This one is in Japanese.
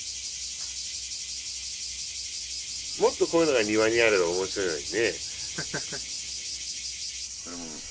もっとこういうのが庭にあれば面白いのにね。